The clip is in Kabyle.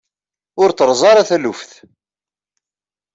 Ur t-terzi ara taluft.